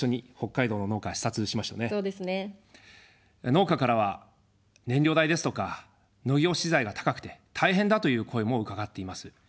農家からは燃料代ですとか農業資材が高くて、大変だという声も伺っています。